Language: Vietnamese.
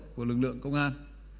của lực lượng công an